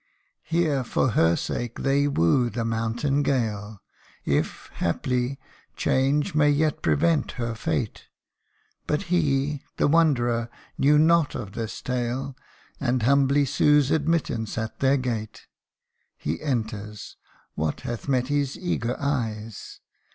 Here, for her sake, they woo the mountain gale, If, haply, change may yet prevent her fate. But he, the wanderer, knew not of this tale, And humbly sues admittance at their gate. He enters what hath met his eager eyes